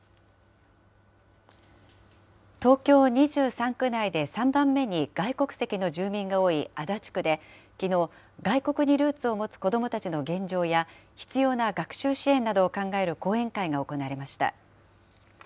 東京２３区内で３番目に外国籍の住民が多い足立区で、きのう、外国にルーツを持つ子どもたちの現状や必要な学習支援などを考える講演会が行われました。